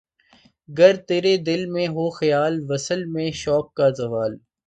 گر تیرے دل میں ہو خیال‘ وصل میں شوق کا زوال؟